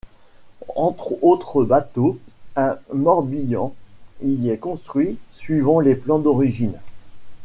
Entre autres bateaux, un Morbihan y est construit suivant les plans d'origine.